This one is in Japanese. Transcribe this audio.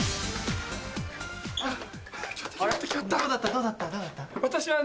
どうだった？